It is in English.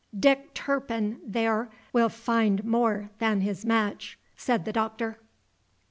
"Dick Turpin, there, will find more than his match!" said the Doctor.